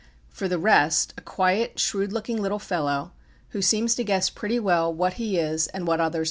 For the rest, a quiet, shrewd looking little fellow, who seems to guess pretty well what he is and what others are."